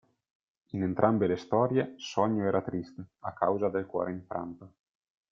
In entrambe le storie, Sogno era triste, a causa del cuore infranto.